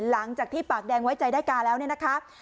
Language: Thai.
หลังจากที่ปากแดงไว้ใจได้กาแล้วเนี่ยนะคะ